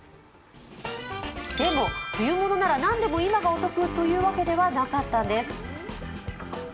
でも冬物なら何でも今がお得というわけではなかったんです。